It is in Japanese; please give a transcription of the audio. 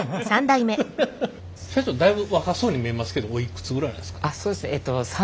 社長だいぶ若そうに見えますけどおいくつぐらいなんですか？